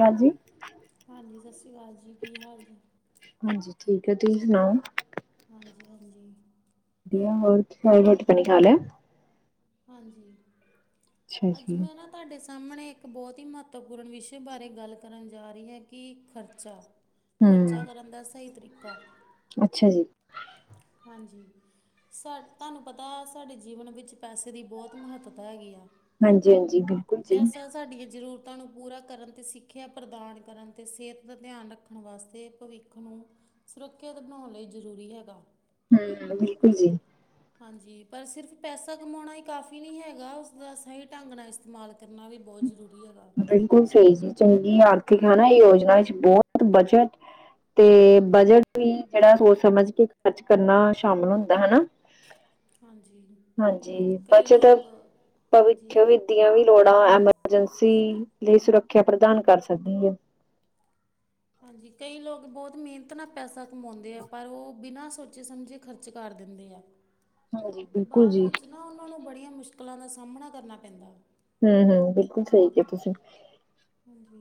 ਰਾਜੀ ਹਾਂਜੀ, ਸਤਿ ਸ੍ਰੀ ਅਕਾਲ ਜੀ ਕੀ ਹਾਲ ਜੇ। ਹਾਂਜੀ, ਠੀਕ ਹੈ ਤੁਸੀਂ ਸੁਣਾਓ। ਹਾਂਜੀ-ਹਾਂਜੀ। ਵਧਿਆ ਅ ਉਹ ਸਾਈ ਓ ਰੋਟੀ-ਪਣੀ ਖਾ ਲਿਆ। ਹਾਂਜੀ, ਅੱਛਾ ਅੱਜ ਜੀ ਮੈਂ ਨਾ ਤੁਹਾਡੇ ਸਾਹਮਣੇ ਇੱਕ ਬਹੁਤ ਹੀ ਮਹੱਤਵਪੂਰਨ ਵਿਸ਼ੇ ਬਾਰੇ ਗੱਲ ਕਰਨ ਜਾ ਰਹੀ ਹੈ ਕਿ ਖ਼ਰਚਾ। ਖ਼ਰਚਾ ਹਮ ਕਰਨ ਦਾ ਸਹੀ ਤਰੀਕਾ। ਅੱਛਾ ਜੀ। ਹਾਂਜੀ, ਤੁਹਾਨੂੰ ਪਤਾ ਸਾਡੇ ਜੀਵਨ ਵਿੱਚ ਪੈਸੇ ਦੀ ਬਹੁਤ ਮਹੱਤਤਾ ਹੈਗੀ ਆ, ਹਾਂਜੀ ਹਾਂਜੀ ਬਿਲਕੁਲ ਜੀ ਪੈਸਾ ਸਾਡੀਆਂ ਜ਼ਰੂਰ ਤੂਹਾਨੂੰ ਪੂਰਾ ਕਰਨ ਤੇ ਸਿੱਖਿਆ, ਪ੍ਰਦਾਨ ਕਰਨ ਤੇ ਸਿਹਤ ਦਾ ਧਿਆਨ ਰੱਖਣ ਵਾਸਤੇ ਭਵਿੱਖ ਨੂੰ। ਸੁਰੱਖਿਅਤ ਬਣਾਉਣ ਲਈ ਜ਼ਰੂਰੀ ਹੈਗਾ। ਹੂੰ, ਬਿਲਕੁਲ ਜੀ। ਹਾਂਜੀ, ਪਰ ਸਿਰਫ਼ ਪੈਸਾ ਕਮਾਉਣਾ ਹੀ ਕਾਫੀ ਨੀ ਹੈਗਾ, ਉਸਦਾ ਸਹੀ ਢੰਗ ਨਾਲ ਇਸਤੇਮਾਲ ਕਰਨਾ ਵੀ ਬਹੁਤ ਜ਼ਰੂਰੀ ਹੈਗਾ। ਬਿਲਕੁਲ ਸਹੀ ਜੀ ਚੰਗੀ ਆਰਥਿਕ ਹੈ ਨਾ ਯੋਜਨਾ ਵਿੱਚ ਬਹੁਤ ਬਚਤ ਤੇ ਬਜਟ ਵੀ ਜਿਹੜਾ ਸੋਚ ਸਮਝ ਕੇ ਖਰਚ ਕਰਨਾ ਸ਼ਾਮਿਲ ਹੁੰਦਾ ਹਨਾ। ਹਾਂਜੀ ਹਾਂਜੀ, ਕਈ ਬੱਚਤ ਲੋਕ ਭਵਿੱਖ ਹਾਂਜੀ ਵੀ ਦੀਆਂ ਵੀ ਲੋੜਾਂ ਐਮਰਜੈਂਸੀ ਲਈ ਸੁਰੱਖਿਆ ਪ੍ਰਦਾਨ ਕਰ ਸਕਦੀ ਏ। ਹਾਂਜੀ, ਕਈ ਲੋਕ ਬਹੁਤ ਮਿਹਨਤ ਨਾਲ ਪੈਸਾ ਕਮਾਉਂਦੇ ਆ ਪਰ ਉਹ ਬਿਨਾਂ ਸੋਚੇ ਸਮਝੇ ਖਰਚ ਕਰ ਦਿੰਦੇ ਆ। ਹਾਂਜੀ ਤੇ ਬਿਲਕੁਲ ਬਾਦ ਜੀ ਵਿੱਚ ਨਾ ਉਹਨਾਂ ਨੂੰ ਬੜੀਆਂ ਮੁਸ਼ਕਿਲਾਂ ਦਾ ਸਾਹਮਣਾ ਕਰਨਾ ਪੈਂਦਾ। ਹੂੰ-ਹੂੰ ਬਿਲਕੁਲ ਸਹੀ ਕਿਆ ਤੁਸੀਂ। ਹਾਂਜੀ,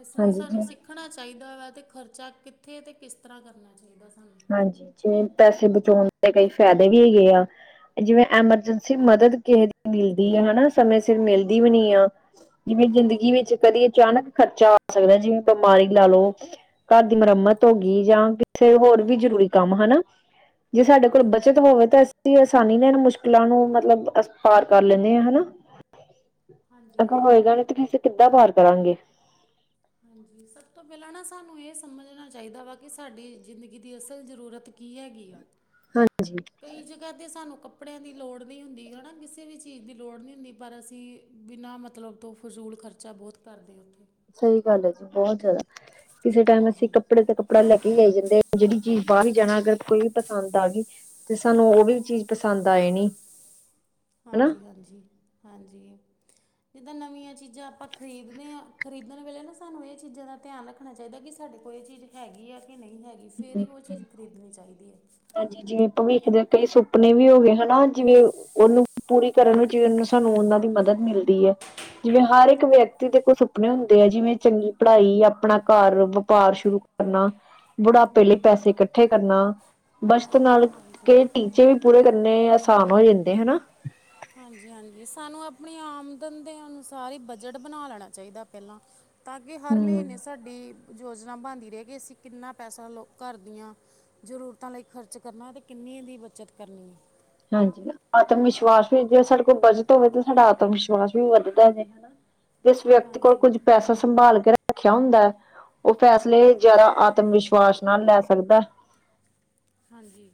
ਇਸ ਲਈ ਹਾਂਜੀ ਸਾਨੂੰ ਜੀ ਸਿੱਖ ਰਖਣਾ ਚਾਹੀਦਾ ਵਾ ਅਤੇ ਖਰਚਾ ਕਿੱਥੇ ਤੇ ਕਿਸ ਤਰ੍ਹਾਂ ਕਰਨਾ ਚਾਹੀਦਾ ਸਾਨੂੰ। ਹਾਂਜੀ, ਜਿਵੇਂ ਪੈਸੇ ਬਚਾਉਣ ਦੇ ਕਈ ਫਾਇਦੇ ਵੀ ਹੈਗੇ ਆ ਜਿਵੇਂ ਐਮਰਜੈਂਸੀ ਮਦਦ ਕਿਹਸੇ ਦੀ ਮਿਲਦੀ ਆ ਹਨਾ ਸਮੇ ਸਿਰ ਮਿਲਦੀ ਵੀ ਨੀ ਆ। ਜਿਵੇਂ ਹਾਂਜੀ ਜ਼ਿੰਦਗੀ ਵਿੱਚ ਕਦੇ ਅਚਾਨਕ ਖਰਚਾ ਆ ਸਕਦਾ ਜਿਵੇਂ ਬਿਮਾਰੀ ਲਾ ਲਓ। ਘਰ ਦੀ ਮੁਰੰਮਤ ਹੋ ਗਈ ਜਾਂ ਕਿਸੇ ਹੋਰ ਵੀ ਜ਼ਰੂਰੀ ਕੰਮ ਹਨਾ ਜੇ ਸਾਡੇ ਕੋਲ ਹਾਂਜੀ ਬੱਚਤ ਹੋਵੇ ਤਾਂ ਅਂ ਆਸਾਨੀ ਨਾਲ ਇਹਨਾਂ ਮੁਸ਼ਕਿਲਾਂ ਨੂੰ ਮਤਲਬ ਅ ਪਾਰ ਕਰ ਲੈਂਦੇ ਹਾਂ ਹਨਾ। ਹਾਂਜੀ ਅਗਰ ਹੋਏ ਹਾਂਜੀ ਗਾ ਤੇ ਅਸੀਂ ਕਿੱਦਾਂ ਬਾਹਰ ਕਰਾਂਗੇ। ਹਾਂਜੀ, ਸਭ ਤੋਂ ਪਹਿਲਾਂ ਨਾ ਸਾਨੂੰ ਇਹ ਸਮਝਣਾ ਚਾਹੀਦਾ ਵਾ ਕਿ ਸਾਡੀ ਜ਼ਿੰਦਗੀ ਦੀ ਅਸਲ ਜ਼ਰੂਰਤ ਕੀ ਹੈਗੀ ਆ, ਹਾਂਜੀ। ਕਈ ਜਗ੍ਹਾ ਤੇ ਸਾਨੂੰ ਕੱਪ ਕੱਪੜਿਆਂ ਦੀ ਲੋੜ ਨੀ ਹੁੰਦੀ ਹੈ ਨਾ ਕਿਸੇ ਵੀ ਚੀਜ਼ ਦੀ ਲੋੜ ਨਹੀਂ ਹੁੰਦੀ ਪਰ ਅਸੀਂ ਬਿਨਾਂ ਮਤਲਬ ਤੋਂ ਫਜ਼ੂਲ ਖਰਚ ਚਾ ਬਹੁਤ ਕਰਦੇ ਉੱਥੇ। ਸਹੀ ਗੱਲ ਹੈ ਜੀ ਬਹੁਤ ਜਿਆਦਾ, ਕਿਸੇ ਟਾਈਮ ਅਸੀਂ ਹਾਂਜੀ ਕੱਪੜੇ ਤੇ ਕੱਪੜਾ ਲੈ ਕੇ ਆਈ ਜਾਂਦੇ, ਜਿਹੜੀ ਚੀਜ਼ ਬਾਹਰ ਹੀ ਜਾਣਾ ਅਗਰ ਕੋਈ ਵੀ ਪਸੰਦ ਆ ਗਈ ਤੇ ਸਾਨੂੰ ਉਹ ਵੀ ਚੀਜ਼ ਪਸੰਦ ਆ ਜਾਣੀ ਹਨਾ ਹਾਂਜੀ-ਹਾਂਜੀ-ਹਾਂਜੀ। ਜਿੱਦਾਂ ਨਵੀਆਂ ਚੀਜ਼ਾਂ ਆਪਾਂ ਖਰੀਦਦੇ ਆ, ਖਰੀਦਣ ਵੇਲੇ ਨਾ ਸਾਨੂੰ ਇਹ ਚੀਜ਼ਾਂ ਦਾ ਧਿਆਨ ਰੱਖ ਆਣਾ ਚਾਹੀਦਾ ਕਿ ਸਾਡੇ ਕੋਲ ਇਹ ਚੀਜ਼ ਹੈਗੀ ਆ ਕਿ ਨਹੀਂ ਹੈਗੀ, ਫਿਰ ਹੀ ਉਹ ਚੀਜ਼ ਖਰੀਦਣੀ ਚਾਹੀਦੀ ਹੈ। ਹਾਂਜੀ, ਜਿਵੇਂ ਭਵਿੱਖ ਦੇ ਕਈ ਸੁਪਨੇ ਵੀ ਹੋ ਗਏ ਹਨਾ ਜਿਵੇਂ ਉਹਨੂੰ ਪੂਰੀ ਕਰਨ ਵਿੱਚ ਵੀ ਉਹਨੂੰ ਸਾਨੂੰ ਉਹਨਾਂ ਦੀ ਮਦਦ ਮਿਲਦੀ ਹੈ। ਜਿਵੇਂ ਹਰ ਇੱਕ ਵਿਅਕਤੀ ਦੇ ਕੁਝ ਸੁਪਨੇ ਹੁੰਦੇ ਆ, ਜਿਵੇਂ ਚੰਗੀ ਪੜ੍ਹਾਈ, ਆਪਣਾ ਘਰ, ਵਪਾਰ ਸ਼ੁਰੂ ਕਰਨਾ, ਬੁਢਾਪੇ ਲਈ ਪੈਸੇ ਇਕੱਠੇ ਕਰਨਾ ਬੱਚਤ ਨਾਲ ਕਿ ਟੀਚੇ ਵੀ ਪੂਰੇ ਕਰਨੇ ਆਸਾਨ ਹੋ ਜਾਂਦੇ ਹਨਾ। ਹਾਂਜੀ-ਹਾਂਜੀ, ਸਾਨੂੰ ਆਪਣੀ ਆਮਦਨ ਦੇ ਅਨੁਸਾਰ ਈ ਬਜਟ ਬਣਾ ਲੈਣਾ ਚਾਹੀਦਾ ਪਹਿਲਾਂ ਤਾਂ ਕਿ ਹਰ ਹਮ ਮਹੀਨੇ ਸਾਡੀ ਯੋਜਨਾ ਬਣਦੀ ਰਹੇ ਕਿ ਅਸੀਂ ਕਿੰਨਾ ਪੈਸਾ ਲੋ ਘਰ ਦੀਆਂ ਜ਼ਰੂਰਤਾਂ ਲਈ ਖਰਚ ਕਰਨਾ ਤੇ ਕਿੰਨੀਆਂ ਦੀ ਬੱਚਤ ਕਰਨੀ ਐ। ਹਾਂਜੀ, ਆਤਮ ਵਿਸ਼ਵਾਸ ਵੀ ਜੇ ਸਾਡੇ ਕੋਲ ਬਚਤ ਹੋਵੇ ਤਾਂ ਸਾਡਾ ਆਤਮ ਵਿਸ਼ਵਾਸ ਵੀ ਵੱਧਦਾ ਜੇ। ਹਨਾ ਜਿਸ ਵਿਅਕਤੀ ਕੋਲ ਹਾਂਜੀ ਕੁੱਝ ਪੈਸਾ ਸੰਭਾਲ ਕੇ ਰੱਖ ਰੱਖਿਆ ਹੁੰਦਾ ਐ, ਉਹ ਫੈਸਲੇ ਜ਼ਿਆਦਾ ਆਤਮ ਵਿਸ਼ਵਾਸ ਨਾਲ ਲੈ ਸਕਦਾ ਐ। ਹਾਂਜੀ,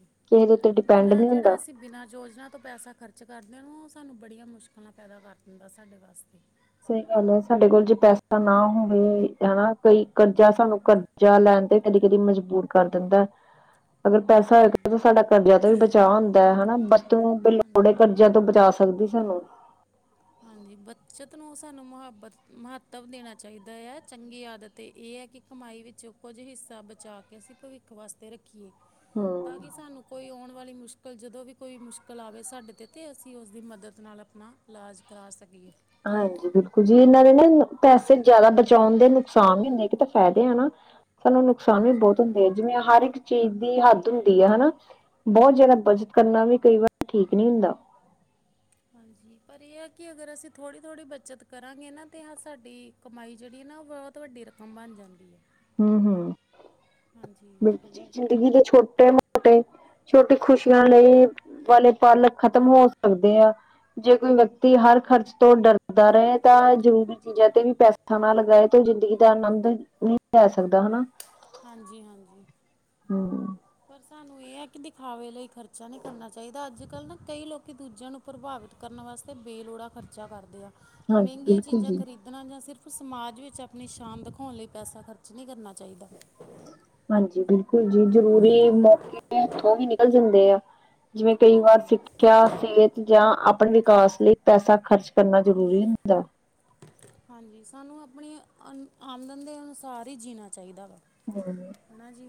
ਉੱਤੇ ਡਿਪੈਂਡ ਬਿਨਾਂ ਨਹੀਂ ਜਿਹੜਾ ਹੁੰਦਾ। ਅਸੀਂ ਬਿਨਾਂ ਯੋਜਨਾ ਤੋਂ ਪੈਸਾ ਖਰਚ ਕਰਦੇ ਆ, ਉਹ ਸਾਨੂੰ ਬੜੀਆਂ ਮੁਸ਼ਕਿਲਾਂ ਪੈਦਾ ਕਰ ਦਿੰਦਾ ਸਾਡੇ ਵਾਸਤੇ। ਸਹੀ ਗੱਲ ਐ, ਸਾਡੇ ਕੋਲ ਜੇ ਪੈਸਾ ਨਾ ਹੋਵੇ ਹਨਾ ਕਈ ਕਰਜ਼ਾ ਸਾਨੂੰ ਕਰ ਜਾ ਲੈਣ ਤੇ ਕਦੀ-ਕਦੀ ਮਜਬੂਰ ਕਰ ਦਿੰਦਾ। [inaudible] ਅਗਰ ਪੈਸਾ ਹਾਂਜੀ ਹੋਏਗਾ ਤਾਂ ਸਾਡਾ ਕਰਜ਼ਾ ਤਾਂ ਵੀ ਬਚਾਅ ਹੁੰਦਾ ਹੈ ਹਨਾ ਬੱਤੋਂ ਲੋੜੇ ਹਾਂਜੀ ਕਰ ਚੀਜ਼ਾਂ ਤੋਂ ਬਚਾ ਸਕਦੀ ਸਾਨੂੰ। ਹਾਂਜੀ, ਬੱਚਤ ਨੂੰ ਸਾਨੂੰ ਮੁਹੱਬਤ ਮਹੱਤਵ ਦੇਣਾ ਚਾਹੀਦਾ ਆ ਚੰਗੀ ਆਦਤ ਇਹ ਐ ਕਿ ਕਮਾਈ ਵਿੱਚੋਂ ਕੁਝ ਹਿੱਸਾ ਬਚਾ ਕੇ ਅਸੀਂ ਭਵਿੱਖ ਵਾਸਤੇ ਰੱਖੀਏ। ਹੂੰ। ਤਾਂ ਕਿ ਸਾਨੂੰ ਕੋਈ ਆਉਣ ਵਾਲੀ ਮੁਸ਼ਕਿਲ ਜਦੋਂ ਵੀ ਕੋਈ ਮੁਸ਼ਕਿਲ ਆਵੇ ਸਾਡੇ 'ਤੇ ਤਾਂ ਅਸੀਂ ਉਸਦੀ ਮਦਦ ਨਾਲ ਆਪਣਾ ਇਲਾਜ ਕਰਾ ਸਕੀਏ। ਹਾਂਜੀ, ਬਿਲਕੁਲ ਜੀ ਇਹਨਾਂ ਨੇ ਨਾ ਪੈਸੇ ਜ਼ਿਆਦਾ ਬਚਾਉਣ ਦੇ ਨੁਕਸਾਨ ਹੁੰਦੇ ਕਿ ਤਾਂ ਫਾਇਦੇ ਆ ਨਾ ਸਾਨੂੰ ਨੁਕਸਾਨ ਵੀ ਹਾਂਜੀ ਬਹੁਤ ਹੁੰਦੇ ਆ, ਜਿਵੇਂ ਹਰ ਇੱਕ ਚੀਜ਼ ਦੀ ਹੱਦ ਹੁੰਦੀ ਹੈ ਹਨਾ ਬਹੁਤ ਜਾਦਾ ਬੱਚਤ ਕਰਨਾ ਵੀ ਕਈ ਵਾਰ ਠੀਕ ਨੀ ਹੁੰਦਾ। ਹਾਂਜੀ, ਪਰ ਏ ਆ ਕਿ ਅਗਰ ਅਸੀਂ ਥੋੜ੍ਹੀ-ਥੋੜ੍ਹੀ ਬੱਚਤ ਕਰਾਂਗੇ ਨਾ ਤਾਂ ਹਾਂ ਸਾਡੀ ਕਮਾਈ ਜੇੜੀ ਐ ਨਾ ਓ ਬੋਤ ਵੱਡੀ ਰਕਮ ਬਣ ਜਾਂਦੀ ਐ। ਹੂੰ-ਹੂੰ‌। ਜ਼ਿੰਦਗੀ ਦੇ ਛੋਟੇ- ਮੋਟੇ ਛੋਟੀ ਖੁਸ਼ੀਆਂ ਲਈ ਵਾਲੇ ਪਲ ਖਤਮ ਹੋ ਸਕਦੇ ਆ। ਜੇ ਕੋਈ ਵਿਅਕਤੀ ਹਰ ਖਰਚ ਤੋਂ ਡਰਦਾ ਰਏ ਤਾਂ ਜ਼ਰੂਰੀ ਚੀਜ਼ਾਂ ਤੇ ਵੀ ਪੈਸਾ ਨਾ ਲਗਾਏ ਤੇ ਓ ਜ਼ਿੰਦਗੀ ਦਾ ਆਨੰਦ ਨੀ ਲੈ ਸਕਦਾ ਹਨਾ। ਹਾਂਜੀ-ਹਾਂਜੀ। ਹੂੰ। ਪਰ ਸਾਨੂੰ ਏ ਐ ਕੀ ਦਿਖਾਵੇ ਲਈ ਖਰਚਾ ਨੀ ਕਰਨਾ ਚਾਈਦਾ, ਅੱਜ ਕੱਲ੍ਹ ਨਾ ਕਈ ਲੋਕੀ ਦੂਜਿਆਂ ਨੂੰ ਪ੍ਰਭਾਵਿਤ ਕਰਨ ਵਾਸਤੇ ਬੇਲੋੜਾ ਖਰਚਾ ਕਰਦੇ ਆ, ਹਾਂਜੀ ਮਹਿੰਗੀਆਂ ਬਿਲਕੁਲ ਚੀਜ਼ਾਂ ਜੀ ਖਰੀਦ ਦਣਾ ਜਾਂ ਸਿਰਫ ਸਮਾਜ ਵਿੱਚ ਆਪਣੀ ਸ਼ਾਨ ਦਿਖੋਣ ਲਈ ਪੈਸਾ ਖਰਚ ਨੀ ਕਰਨਾ ਚਾਈਦਾ। ਹਾਂਜੀ ਬਿਲਕੁੱਲ ਜੀ, ਜਰੂਰੀ ਮੌਕੇ ਹਥੋਂ ਵੀ ਨਿਕਲ ਜਾਂਦੇ ਆ। ਜਿਵੇਂ ਕਈ ਵਾਰ ਹਾਂਜੀ ਸਿੱਖਿਆ, ਸੇਤ ਜਾਂ ਆਪਣੇ ਵਿਕਾਸ ਲਈ ਪੈਸਾ ਖਰਚ ਕਰਨਾ ਜ਼ਰੂਰੀ ਹੁੰਦਾ। ਹਾਂਜੀ ਸਾਨੂੰ ਆਪਣੀ ਅ ਆਮਦਨ ਦੇ ਅਨੁਸਾਰ ਈ ਜੀਣਾ ਚਾਹੀਦਾ ਵਾ। [unintelligible] ਹੈਨਾ ਜੀ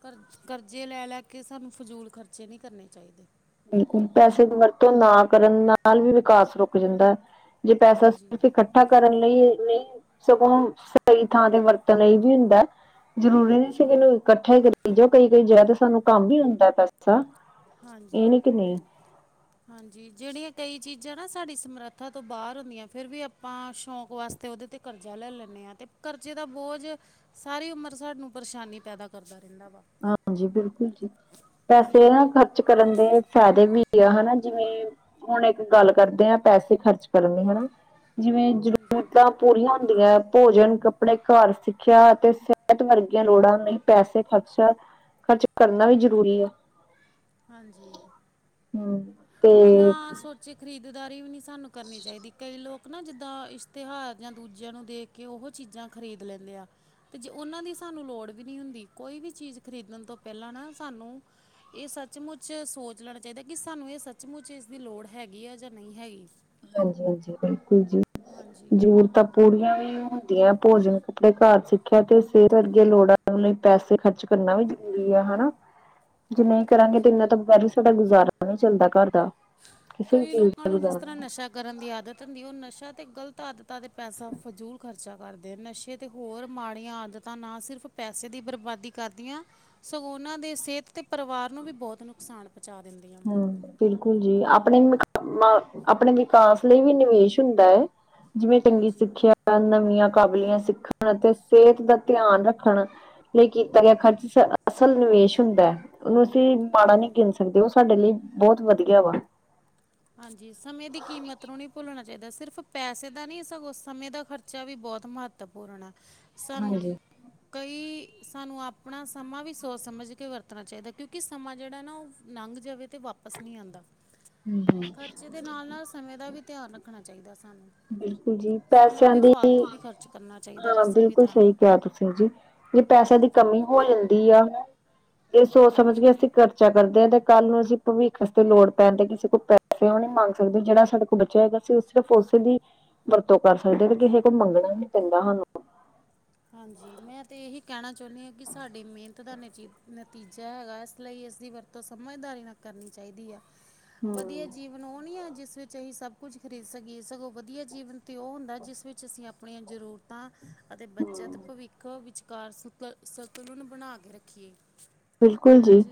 ਕਰਜ਼ ਕਰਜ਼ੇ ਲੈ-ਲੈ ਕੇ ਸਾਨੂੰ ਫਜ਼ੂਲ ਖਰਚੇ ਨੀ ਕਰਨੇ ਚਾਈਦੇ। ਬਿਲਕੁੱਲ ਪੈਸੇ ਦੀ ਵਰਤੋਂ ਨਾ ਕਰਨ ਨਾਲ ਵੀ ਵਿਕਾਸ ਰੁਕ ਜਾਂਦਾ ਐ। ਜੇ ਪੈਸਾ ਹਾਂਜੀ ਸਿਰਫ ਇਕੱਠ ਇਕੱਠਾ ਕਰਨ ਲਈ ਨਈ ਸਗੋਂ ਸਈ ਥਾਂ ਤੇ ਵਰਤਣ ਲਈ ਵੀ ਹੁੰਦਾ। ਜ਼ਰੂਰੀ ਨਈ ਇਸਨੂੰ ਇਕੱਠਾ ਈ ਕਰੀ ਜਾਓ, ਕਈ-ਕਈ ਜਗ੍ਹਾ ਤੇ ਸਾਨੂੰ ਕੰਮ ਵੀ ਹੁੰਦਾ ਪੈਸਾ। ਹਾਂਜੀ। ਇਹ ਨੀ ਕਿ ਨਹੀਂ। ਹਾਂਜੀ ਜੇੜੀਆਂ ਕਈ ਚੀਜ਼ਾਂ ਨਾ ਸਾਡੀ ਸਮਰੱਥਾ ਤੋਂ ਬਾਹਰ ਹੁੰਦੀਆਂ ਫਿਰ ਵੀ ਆਪਾਂ ਸ਼ੌਕ ਵਾਸਤੇ - ਤੇ ਓਦੇ ਤੇ ਕਰਜ਼ਾ ਲੈ ਲੈਂਨੇ ਆਂ ਤੇ ਕਰਜ਼ੇ ਦਾ ਬੋਝ ਸਾਰੀ ਉਮਰ ਸਾਨੂੰ ਪਰੇਸ਼ਾਨੀ ਪੈਦਾ ਕਰਦਾ ਰੈਂਦਾ ਵਾ। ਹਾਂਜੀ ਬਿਲਕੁੱਲ ਜੀ ਪੈਸੇ ਹਾਂਜੀ ਨਾ ਖਰਚ ਰਚ ਕਰਨ ਦੇ ਫੈਦੇ ਵੀ ਆ ਹੈਨਾ ਜਿਵੇਂ ਹੁਣ ਇੱਕ ਗੱਲ ਕਰਦੇ ਆਂ ਪੈਸੇ ਖ਼ਰਚ ਕਰਨ ਲਈ ਹੈਨਾ, ਜਿਵੇਂ ਹਾਂਜੀ ਜ਼ਰੂਰਤਾਂ ਪੂਰੀਆਂ ਹੁੰਦੀਆਂ ਭੋਜਨ, ਕੱਪੜੇ ਘਰ, ਸਿੱਖਿਆ ਅਤੇ ਸਿਹਤ ਵਰਗੀਆਂ ਲੋੜਾਂ ਲਈ ਪੈਸੇ ਖਰਚ ਚਾ ਖਰਚ ਕਰਨਾ ਵੀ ਜ਼ਰੂਰੀ ਐ। ਹਾਂਜੀ ਹਮ ਤੇ ਬਿਨਾਂ ਸੋਚੇ ਖਰੀਦਦਾਰੀ ਵੀ ਨੀ ਸਾਨੂੰ ਕਰਨੀ ਚਾਈਦੀ, ਕਈ ਲੋਕ ਨਾ ਜਿੱਦਾਂ ਇਸ਼ਤਿਹਾਰ ਜਾਂ ਦੂਜਿਆਂ ਨੂੰ ਦੇਖ ਕੀ ਉਹੋ ਚੀਜ਼ਾਂ ਖਰੀਦ ਲੈਂਨੇ ਆ। ਤੇ ਜੇ ਓਨਾਂ ਦੀ ਸਾਨੂੰ ਲੋੜ ਵੀ ਨੀ ਹੁੰਦੀ, ਕੋਈ ਵੀ ਚੀਜ਼ ਖਰੀਦਣ ਤੋਂ ਪਹਲਾਂ ਨਾ ਸਾਨੂੰ ਏ ਸਬ ਸੱਚਮੁੱਚ ਸੋਚ ਲੈਣਾ ਚਾਈਦਾ, ਕੀ ਸਾਨੂੰ ਏ ਸੱਚਮੁੱਚ ਇਸ ਦੀ ਲੋੜ ਹੈਗੀ ਆ ਜਾਂ ਨਹੀਂ ਹੈਗੀ। ਹਾਂਜੀ-ਹਾਂਜੀ ਬਿਲਕੁੱਲ ਜੀ ਹਾਂਜੀ ਜੂਰਰਤਾਂ ਪੂਰੀਆਂ ਵੀ ਨੀ ਹੁੰਦੀਆਂ ਭੋਜਨ ਕੱਪੜੇ ਘਰ ਸਿੱਖਿਆ ਤੇ ਸੇਹਤ ਅੱਗੇ ਲੋੜ ਐ, ਉਨੇ ਈ ਪੈਸੇ ਖਰਚ ਕਰਨਾ ਵੀ ਜ਼ਰੂਰੀ ਆ ਹਨਾ। [unintelligible] ਜੇ ਨਈ ਕਰਾਂਗੇ ਤੇ ਹਾਂਜੀ ਇੰਨਾ ਤੋ ਬਗੈਰ ਸਾਡਾ ਗੁਜ਼ਾਰਾ ਨੀ ਚੱਲਦਾ ਘਰ ਦਾ। ਕਿਸੇ ਵੀ ਕਈ ਚੀਜ਼ ਲੋਕਾਂ ਦਾ ਨੂੰ ਜਿਸ ਗੁਜ਼ਾਰਾ ਤਰ੍ਹਾਂ ਨਹੀਂ ਨਸ਼ਾ ਕਰਨ ਦੀ ਆਦਤ ਹੁੰਦੀ ਹੈ, ਓ ਨਸ਼ਾ ਤੇ ਗ਼ਲਤ ਆਦਤਾਂ ਤੇ ਪੈਸਾ ਫਜੂਲ ਖ਼ਰਚਾ ਕਰਦੇ ਨਸ਼ੇ ਤੇ ਹੋਰ ਮਾੜੀਆਂ ਆਦਤਾਂ ਨਾ ਸਿਰਫ ਪੈਸੇ ਦੀ ਬਰਬਾਦੀ ਕਰਦੀਆਂ ਸਗੋਂ ਉਨਾਂ ਦੇ ਸੇਹਤ, ਤੇ ਪਰਿਵਾਰ ਨੂੰ ਵੀ ਬਹੁਤ ਨੁਕਸਾਨ ਪਹੁੰਚਾ ਦਿੰਦੀ ਆ। ਹੂੰ ਬਿਲਕੁੱਲ ਜੀ ਆਪਣੇ ਈ ਮ ਆਪਣੇ ਵਿਕਾਸ ਲਈ ਵੀ ਨਿਵੇਸ਼ ਹੁੰਦਾ ਐ, ਜਿਵੇਂ ਚੰਗੀ ਹਾਂਜੀ ਸਿੱਖਿਆ ਨਵੀਆਂ ਕਾਬਲੀਆਂ ਸਿੱਖਣ ਅਤੇ ਸੇਹਤ ਦਾ ਧਿਆਨ ਰੱਖਣ। ਲਈ ਕੀਤਾ ਗਿਆ ਖਰਚ, ਅਸਲ ਨਿਵੇਸ਼ ਹੁੰਦਾ ਹੈ ਉਹਨੂੰ ਅਸੀਂ ਮਾੜਾ ਨਹੀਂ ਗਿਣ ਸਕਦੇ, ਉਹ ਸਾਡੇ ਲਈ ਬਹੁਤ ਵਧੀਆ ਵਾ ਹਾਂਜੀ ਸਮਯ ਦੀ ਕੀਮਤ ਨੂੰ ਨਹੀਂ ਭੁੱਲਣਾ ਚਾਹੀਦਾ ਸਿਰਫ਼ ਪੈਸੇ ਦਾ ਨਹੀਂ ਸਗੋਂ ਸਮਯ ਦਾ ਖਰਚਾ ਵੀ ਬਹੁਤ ਮਹੱਤ ਤਵਪੂਰਨ ਐ, ਸਾਨੂੰ ਹਾਂਜੀ ਕਈ ਸਾਨੂੰ ਆਪਣਾ ਸਮਾਂ ਵੀ ਸੋਚ ਸਮਝ ਕੇ ਵਰਤਣਾ ਚਾਹੀਦਾ ਕਿਉਂਕਿ ਸਮਾਂ ਜਿਹੜਾ ਨਾ ਉਹ ਨਾੰਘ ਜਾਵੇ ਤੇ ਵਾਪਸ ਨਹੀਂ ਆਂਦਾ ਹੂ ਹੂ ਦੇ ਨਾਲ ਨਾਲ ਸਮਯ ਦਾ ਵੀ ਧਿਆਨ ਰੱਖਣਾ ਚਾਹੀਦਾ ਸਾਨੂੰ ਬਿਲਕੁਲ ਜੀ ਸਮਾਂ ਪੈਸਿਆਂ ਦੀ ਵੀ, ਫਾਲਤੂ ਨਹੀਂ ਖਰਚ ਕਰਨਾ ਚਾਹੀਦਾ ਹਾਂ ਕਿਸੇ ਵੀ ਬਿਲਕੁਲ ਤਰ੍ਹਾਂ ਸਹੀ ਕਿਆ ਤੁਸੀਂ ਜੀ ਜੇ ਪੈਸੇਆਂ ਦੀ ਕਮੀ ਹੋ ਜਾਂਦੀ ਆ ਜੇ ਸੋਚ ਸਮਝ ਕੇ ਹਾਂਜੀ। ਅਸੀਂ ਕਰ ਚਾ ਕਰਦੇ ਆਂ ਤੇ ਕੱਲ ਨੂੰ ਅਸੀਂ ਭਵਿੱਖ ਅਸਤੇ ਲੋੜ ਪੈਨ ਤੇ ਕਿਸੇ ਕੋਲੋ ਪੈਸੇ ਓ ਨਈਂ ਮੰਗ ਸਕਦੇ ਜੇੜਾ ਸਾਡੇ ਕੋ ਬੱਚੇਆ ਹੈਗਾ ਅਸੀ ਉਸੇ ਸਿਰਫ ਉਸੇ ਦੀ ਵਰਤੋਂ ਕਰ ਸਕਦੇ ਆਂ ਤੇ ਕਿਹੇ ਕੋ ਮੰਗਨਾ ਨੀ ਪੈਂਦਾ ਹਾਨੂੰ। ਹਾਂਜੀ ਮੈਂ ਤੇ ਏਹੀ ਕੈਣਾ ਚੋਨੀਆਂ ਆਂ ਕਿ ਸਾਡੀ ਮੇਨਤ ਦਾ ਨਜੀ-ਨਤੀਜਾ ਹੈਗਾ ਇਸ ਲਈ ਇਸ ਦੀ ਵਰ ਤੋਂ ਸਮਝਦਾਰੀ ਨਾ ਕਰਨੀ ਚਾਈਦੀ ਆ ਵਦੀਆ ਹੂੰ-ਹੂੰ ਜੀਵ ਹੁਨ ਓ ਨੀ ਆ ਜਿਸ ਵਿੱਚ ਅਹੀ ਸਬ ਕੁੱਝ ਖਰੀਦ ਸਕੀਏ ਸਗੋਂ ਵਦੀਆ ਜੀਵਨ ਤੇ ਓ ਹੁੰਦਾ ਜਿਸ ਵਿੱਚ ਅਸੀਂ ਆਪ ਆਪਨੀਆਂ ਜ਼ਰੂਰਤਾਂ ਅਤੇ ਜਦ ਭਵਿੱਖ ਵਿਚਕਾਰ ਸੁਤ-ਸਤਲੁਨ ਬਨਾ ਕੇ ਰੱਖੀਏ। ਬਿਲਕੁਲ ਹੈ ਨਾ ਜੀ।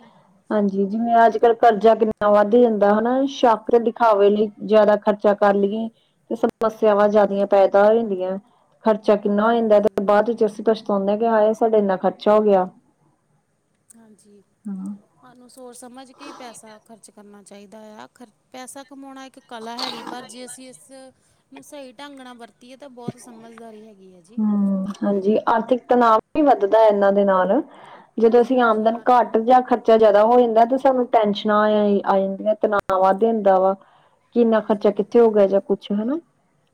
ਹਾਂਜੀ ਜਿਵੇਂ ਅੱਜ-ਕੱਲ ਕਰਜ਼ਾ ਕਿੰਨਾ ਵੱਦ ਜਾਂਦਾ ਹਨਾ ਸ਼ੌਕਰ ਦਿਖਾਵੇ ਲਈ। ਜ਼ਾਅਦਾ ਖਰਚਾ ਕਰ ਲਈਏ ਤੇ ਸਮੱਸਿਆਵਾਂ ਜ਼ਿਆਦੀਆਂ ਪੈਦਾ ਹੋ ਜਾਂਦੀਆਂ। ਖਰਚਾ ਕਿੰਨਾ ਹੋ ਜਾਂਦਾ ਹਾਂਜੀ-ਹਾਂਜੀ, ਤੇ ਬਾਦ ਵਿੱਚ ਅਸੀਂ ਪਛਤੋਨੇ ਆ ਕਿ ਹਾਏ ਸਾਡਾ ਇੰਨਾ ਖਰਚਾ ਹੋ ਗਿਆ। ਹਾਂਜੀ। ਹਾਂ। ਹਾਨੂੰ ਸੋਚ ਸਮਝ ਕੇ ਈ ਪੈਸਾ ਖਰਚ ਕਰਨਾ ਚਾਈਦਾ ਏਆ ਖਰ ਪੈਸਾ ਕਮੋਨਾ ਇੱਕ। ਕਲਾ ਹੈਗੀ ਪਰ ਜੇ ਅਸੀਂ ਇਸ ਨੂੰ ਸਈ ਢੰਗ ਨਾ ਵਰਤੀਏ ਤਾਂ ਬੋਤ ਸਮਝਦਾਰੀ ਹੈਗੀ ਐ ਜੀ। ਹਮ ਹਾਂਜੀ ਆਰਥਿਕ ਤਨਾਵ ਵੀ ਵੱਦਦਾ ਏਨਾਂ ਦੇ ਨਾਲ ਜਦੋਂ ਹਾਂਜੀ ਅਸੀਂ ਹਾਂਜੀ ਆਮਦਨ ਆਰਥਿਕ ਘੱਟ ਜਾਂ ਖਰ ਚਾ ਜਾਅਦਾ ਹੋ ਜਾਂਦਾ ਤੇ ਸਾਨੂੰ ਟੈਸ਼ਨਾਂ ਆ-ਆ ਜਾਂਦੀਆਂ ਤਨਾ ਵੱਦ ਜਾਂਦਾ ਵਾ। ਕਿ ਇੰਨਾ ਖਰਚਾ ਹਾਂਜੀ ਕਿੱਥੇ ਹੋ ਗਿਆ ਜਾਂ ਕੁੱਛ ਹਨਾ।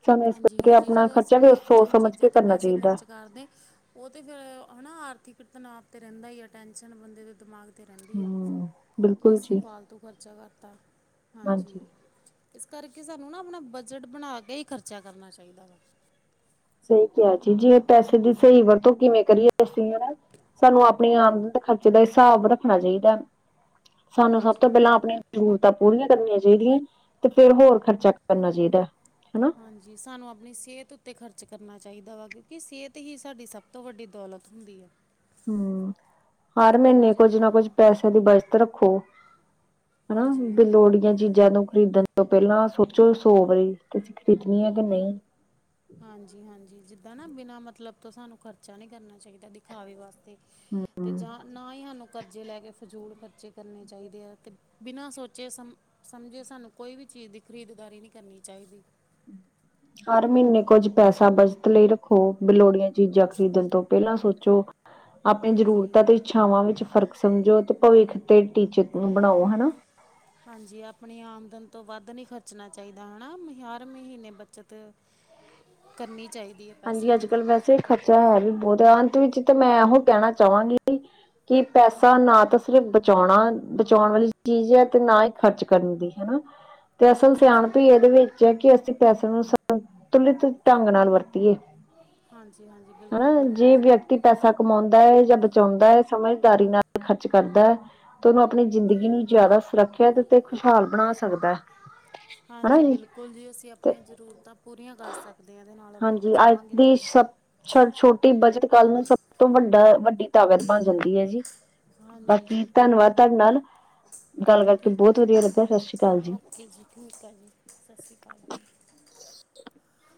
ਸਾਨੂੰ ਇਸ ਕਰਕੇ ਹਾਂਜੀ-ਹਾਂਜੀ ਆਪਣਾ ਜਦੋਂ ਅਸੀਂ ਖਰਚਾ ਵੀ ਸੋਚ ਬੇਫਜ਼ੂਲ ਸਮਝ ਕੇ ਚੀਜ਼ਾਂ ਤੇ ਕਰਨਾ ਪੈਸੇ ਚਾਹੀਦਾ ਖਰਚ ਕਰਦੇ। ਓ ਤੇ ਫੇਰ ਹਨਾ ਆਰਥਿਕ ਤਨਾਵ ਤੇ ਰੈਂਦਾ ਈ ਆ ਟੈਨਸ਼ਨ ਬੰਦੇ ਦੇ ਦਿਮਾਗ ਤੇ ਰੈਂਦੀ ਆ ਹਮ ਕਿ ਬਿਲਕੁਲ ਅਸੀਂ ਜੀ ਫਾਲਤੂ ਖਰਚਾ ਕਰਤਾ ਹਾਂਜੀ। ਇਸ ਕਰਕੇ ਸਾਨੂੰ ਨਾ ਆਪਨਾ ਬਜਟ ਬਨਾ ਕੇ ਈ ਖਰਚਾ ਕਰਨਾ ਚਾਈਦਾ ਵਾ। ਸਈ ਕਿਆ ਜੀ ਜੇ ਪੈਸੇ ਦੀ ਸਈ ਵਰਤੋਂ ਕਿਵੇਂ ਕਰੀਏ। ਅਸੀਂ ਹਨਾ ਸਾਨੂੰ ਆਪਨੀ ਹਾਂ, ਆਮਦਨ ਤੇ ਖਰਚੇ ਦਾ ਹਿਸਾਬ ਰੱਖਨਾ ਚਾਈਦਾ। ਸਾਨੂੰ ਸਬ ਤੋਂ ਹਾਂਜੀ ਪੈਲਾਂ ਆਪਨੀ ਜਰੂਰਤਾਂ ਪੂਰੀਆਂ ਕਰਨੀਆਂ ਚਾਈਦੀਆਂ ਤੇ ਫੇਰ ਹੋਰ ਖਰਚਾ ਕਰਨਾ ਚਾਈਦੈ ਹਨਾ। ਹਾਂਜੀ ਸਾਨੂੰ ਆਪਨੀ ਸੇੲਤ ਉੱਤੇ ਖਰਚ ਕਰਨਾ ਚਾਈਦਾ ਵਾ ਕਿਉਂਕਿ ਸੇੲਤ ਈ ਸਾਡੀ ਸਬ ਤੋਂ ਵੱਡੀ ਦੌਲਤ ਹੁੰਦੀ ਐ। ਹੂੰ ਹਰ ਮੀਨੇ ਕੁੱਝ ਨਾ ਕੁੱਝ ਜਿੱਦਾਂ ਪੈਸੇਆਂ ਦੀ ਬਚਤ ਰੱਖੋ। ਹਨਾ ਹਾਂਜੀ ਬੀ ਲੋੋੜੀਆ ਚੀ ਚੀਜਾਂ ਖਰੀਦਨ ਤੋਂ ਪੈਲਾਂ ਸੋਚੋ ਸੌ ਵਾਰੀ ਕਿ ਅਸੀਂ ਖਰੀਦਨੀ ਐ ਕਿ ਨਈਂ। ਹਾਂਜੀ-ਹਾਂਜੀ ਜਿੱਦਾਂ ਨਾ ਬਿਨਾਂ ਮਤਲਬ ਤੋਂ ਸਾਨੂੰ ਖਰਚਾ ਨੀ ਕਰਨਾ ਚਾਈਦਾ ਦਿ ਖਾਵੇ ਵਾਸਤੇ ਤੇ ਜਾਂ ਨਾ ਈਹਾਨੂੰ ਕਰਜ਼ੇ ਲੈ ਕੇ ਫਜੂਲ ਖਰਚੇ ਕਰਨੇ ਚਾਈਦੇ ਐ ਤੇ ਬਿਨਾਂ ਸੋਚੇ ਸਮ-ਸਮਝੇ ਸਾਨੂੰ ਕੋਈ ਵੀ ਚੀਜ਼ ਦੀ ਖਰੀਦਦਾਰੀ ਨੀ ਕਰਨੀ ਚਾਈਦੀ। ਹਰ ਮੀਨੇ ਕੁੱਝ ਪੈਸਾ ਬਚਤ ਲਈ ਰੱਖੋ ਬੀ ਲੋੜੀਆਂ ਚੀਜ਼ਾਂ ਖਰੀਦਨ ਤੋਂ ਪੈਲਾਂ ਸੋਚੋ। [inaudible] ਆਪਨੀ ਹਾਂਜੀ ਜ਼ਰੂਰਤਾਂ ਤੇ ਇੱਛਾਵਾਂ ਵਿੱਚ ਫ਼ਰਕ ਸਮਝੋ ਅਤੇ ਭਵਿੱਖ ਤੇ ਟੀਚੇ ਨੂੰ ਬਨਾਓ ਹਨਾ। ਹਾਂਜੀ ਆਪਨੀ ਆਮਦਨ ਤੋਂ ਵੱਧ ਨੀ ਖਰਚਨਾ ਚਾਈਦਾ ਹਨਾ ਵੀ ਹਰ ਮਹੀਨੇ ਬੱਚਤ ਕਰਨੀ ਚਾਈਦੀ ਆ। ਹਾਂਜੀ, ਅੱਜ-ਕੱਲ ਵੈਸੇ ਖਰਚਾ ਹੈ ਵੀ ਬੋਤ ਅੰਤ ਵਿੱਚ ਤਾਂ ਮੈਂ ਏਹੋ ਕੈਣਾ ਚਾਵਾਂਗੀ ਕਿ ਪੈਸਾ ਨਾ ਤਾਂ ਸਿਰਫ ਬਚੋਨਾ ਬਚੋਨ ਵਾਲੀ ਚੀਜ਼ ਐ ਤੇ ਨਾ ਈ ਖ਼ਰਚ ਕਰਨ ਦੀ ਹਨਾ। [inaudible] ਤੇ ਅਸਲ ਹਾਂਜੀ ਸਿਆਣਪ ਵੀ ਇਹਦੇ ਵਿੱਚ ਹੈ ਕਿ ਅਸੀਂ ਪੈਸੇ ਨੂੰ ਸੰਤੁਲਿਤ ਢੰਗ ਨਾਲ ਵਰ ਹਾਂਜੀ-ਹਾਂਜੀ, ਬਿਲਕੁਲ-ਬਿਲਕੁਲ ਜੀ। ਕਿ ਪੈਸਾ ਕਮਾਉਂਦਾ ਹੈ ਜਾਂ ਬਚਾਉਂਦਾ ਹੈ, ਸਮਝਦਾਰੀ ਨਾਲ ਖਰਚ ਕਰਦਾ ਹੈ ਤੇ ਉਹਨੂੰ ਆਪਣੀ ਜ਼ਿੰਦਗੀ ਨੂੰ ਜਿਆਦਾ ਸੁਰੱਖਿਅਤ ਤੇ ਖੁਸ਼ਹਾਲ ਬਣਾ ਸਕਦਾ ਹੈ। ਹਨਾ ਹਾਂਜੀ ਜੀ ਬਿਲਕੁਲ ਬਿਲਕੁਲ ਜੀ ਅਸੀਂ ਤੇ ਆਪਣੀਆਂ ਜ਼ਰੂਰਤਾਂ ਪੂਰੀਆਂ ਕਰ ਸਕਦੇ ਹਾਂ ਇਦੇ ਨਾਲ ਅਗਰ ਬਚਾਵਾਂਗੇ ਤੇ ਛ ਛੋਟੀ ਬੱਚਤ ਕੱਲ ਨੂੰ ਸਭ ਤੋਂ ਵੱਡਾ ਵੱਡੀ ਤਾਕਤ ਬਣ ਜਾਂਦੀ ਹੈ ਜੀ। ਹਾਂਜੀ ਬਾਕੀ ਜੀ ਧੰਨਵਾਦ। ਤੁਹਾਡੇ ਨਾਲ ਗੱਲ ਕਰਕੇ ਠੀਕ ਆ ਬਹੁਤ ਜੀ ਵਧੀਆ ਤਾਂ ਲੱਗਿਆ। ਸਤਿ ਸ਼੍ਰੀ ਅਕਾਲ ਜੀ। ਠੀਕ ਆ ਜੀ। ਸਤਿ ਸ਼੍ਰੀ ਅਕਾਲ। [inaudible]